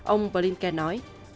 ông blinken nói